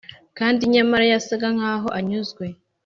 kandi nyamara yasaga nkaho anyuzwe.